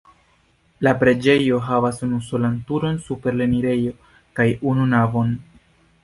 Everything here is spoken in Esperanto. La preĝejo havas unusolan turon super la enirejo kaj unu navon.